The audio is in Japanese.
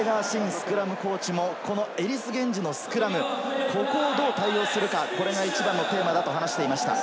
スクラムコーチもエリス・ゲンジのスクラム、ここをどう対応するか一番のテーマだと話していました。